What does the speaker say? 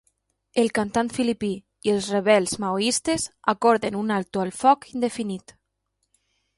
El cantant filipí i els rebels maoistes acorden un alto el foc indefinit.